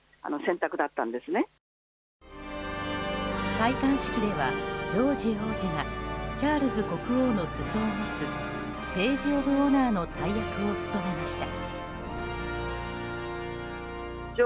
戴冠式では、ジョージ王子がチャールズ国王の裾を持つページ・オブ・オナーの大役を務めました。